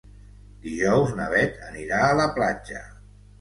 Dijous na Beth anirà a la platja.